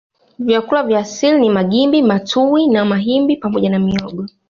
Vyakula vya asili ni magimbi matuwi na mahimbi pamoja na mihogo